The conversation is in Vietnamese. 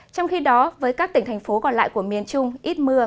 trong khi đó với các tỉnh thành phố còn lại của miền trung ít mưa